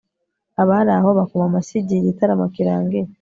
abari aho bakoma amashyi igihe igitaramo kirangiye